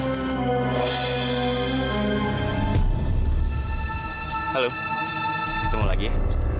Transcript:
halo ketemu lagi ya